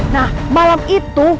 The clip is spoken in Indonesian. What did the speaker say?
nah malam itu